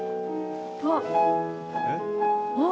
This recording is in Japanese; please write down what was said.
あっ。